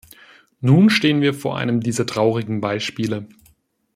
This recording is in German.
Nun stehen wir vor einem dieser traurigen Beispiele.